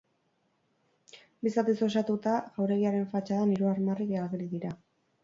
Bi zatiz osatuta, jauregiaren fatxadan hiru armarri ageri dira.